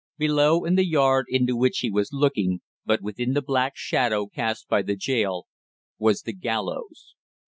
Below in the yard into which he was looking, but within the black shadow cast by the jail, was the gallows.